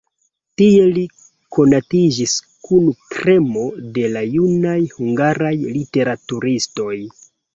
Tie li konatiĝis kun kremo de la junaj hungaraj literaturistoj.